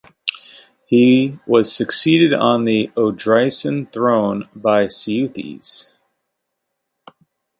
He was succeeded on the Odrysian throne by Seuthes.